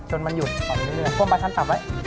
ปล้วนไปชั้นกลับละ